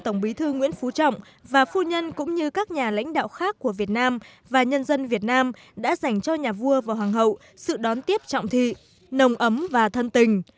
tổng bí thư nguyễn phú trọng và phu nhân cũng như các nhà lãnh đạo khác của việt nam và nhân dân việt nam đã dành cho nhà vua và hoàng hậu sự đón tiếp trọng thị nồng ấm và thân tình